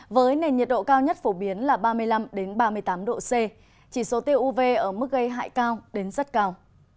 với nền nhiệt độ cao nhất phổ biến là ba mươi năm ba mươi tám độ c chỉ số tiêu uv ở mức gây hại cao đến rất cao